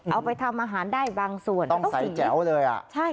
เอาไปทำอาหารได้บางส่วนต้องใส่แจ๋วเลยอ่ะใช่